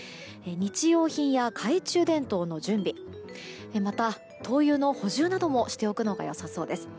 日用品や懐中電灯の準備また、灯油の補充などもしておくのが良さそうです。